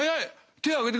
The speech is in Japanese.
手挙げてた。